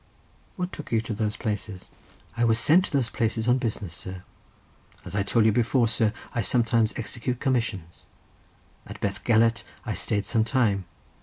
"What took you to those places?" "I was sent to those places on business, sir; as I told you before, sir, I sometimes execute commissions. At Bethgelert I stayed some time.